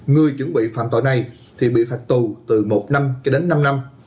người chuẩn bị phạm tội này thì bị phạt tù từ một năm cho đến năm năm